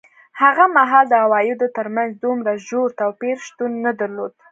هغه مهال د عوایدو ترمنځ دومره ژور توپیر شتون نه درلود.